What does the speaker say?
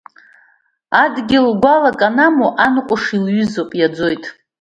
Адгьыл гәалак анамоу, ан ҟәыш илҩызоуп, иаӡоит.